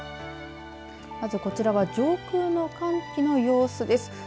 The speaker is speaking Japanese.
まず、こちらは上空の寒気の様子です。